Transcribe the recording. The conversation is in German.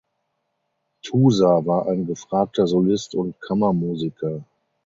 Tusa war ein gefragter Solist und Kammermusiker.